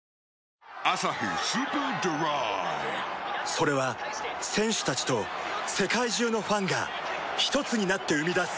それは選手たちと世界中のファンがひとつになって生み出す